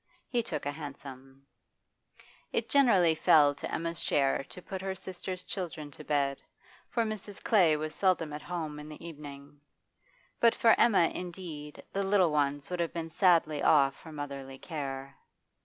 He took a hansom. It generally fell to Emma's share to put her sister's children to bed, for Mrs. Clay was seldom at home in the evening. But for Emma, indeed, the little ones would have been sadly off for motherly care.